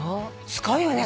すごいよね